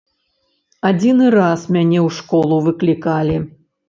Адзіны раз мяне ў школу выклікалі.